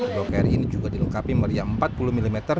blok r ini juga dilengkapi meriah empat puluh mm